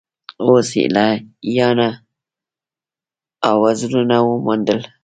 اوس ایله باڼه او وزرونه وموندل.